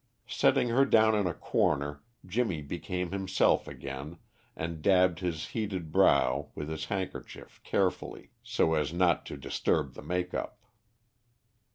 Setting her down in a corner, Jimmy became himself again, and dabbed his heated brow with his handkerchief carefully, so as not to disturb the makeup.